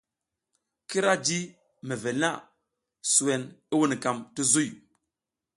Kira jiy mevel na, suwen i wunukam ti zuy.